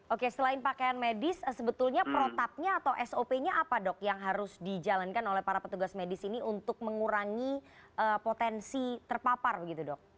oke selain pakaian medis sebetulnya protapnya atau sop nya apa dok yang harus dijalankan oleh para petugas medis ini untuk mengurangi potensi terpapar begitu dok